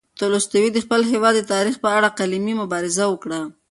تولستوی د خپل هېواد د تاریخ په اړه قلمي مبارزه وکړه.